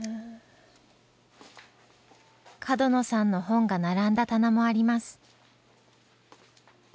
角野さんの本が並んだ棚もあります。